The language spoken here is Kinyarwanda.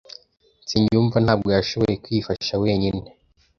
Nsengiyumva Ntabwo yashoboye kwifasha wenyine.